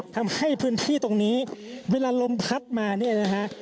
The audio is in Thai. ทำให้พื้นที่ตรงนี้เวลาลมพัดมาเนี่ยนะฮะ